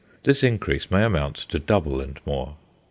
This increase may amount to double and more.